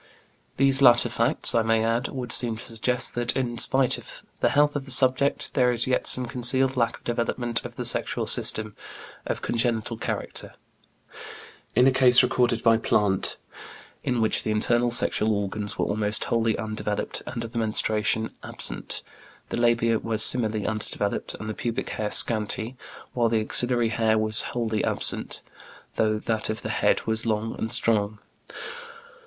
These latter facts, I may add, would seem to suggest that, in spite of the health of the subject, there is yet some concealed lack of development of the sexual system, of congenital character. In a case recorded by Plant (Centralblatt für Gynäkologie, No. 9, 1896, summarized in the British Medical Journal, April 4, 1896), in which the internal sexual organs were almost wholly undeveloped, and menstruation absent, the labia were similarly undeveloped, and the pubic hair scanty, while the axillary hair was wholly absent, though that of the head was long and strong.